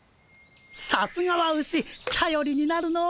さすがはウシたよりになるの。